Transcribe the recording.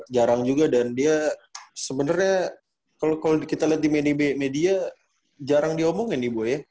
jarang juga dan dia sebenarnya kalau kita lihat di media jarang diomongin ibu ya